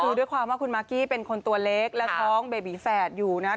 คือด้วยความว่าคุณมากกี้เป็นคนตัวเล็กและท้องเบบีแฝดอยู่นะ